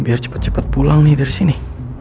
biar cepet cepet pulang nih dari sini